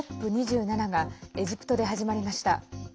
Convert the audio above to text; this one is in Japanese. ＣＯＰ２７がエジプトで始まりました。